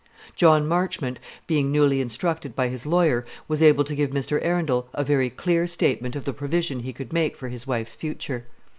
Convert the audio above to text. John Marchmont, being newly instructed by his lawyer, was able to give Mr. Arundel a very clear statement of the provision he could make for his wife's future.